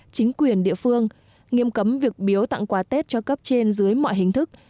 chính quyền địa phương nghiêm cấm việc biếu tặng quà tết cho cấp trên dưới mọi hình thức